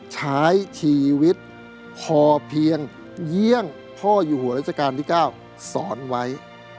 ใช้ชีวิตพอเพียงเยี่ยงพ่ออยู่หัวราชการที่๙สอนไว้